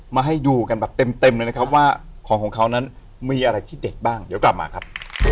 มาให้ดูกันแบบเต็มเลยนะครับว่าของของเขานั้นมีอะไรที่เด็ดบ้างเดี๋ยวกลับมาครับ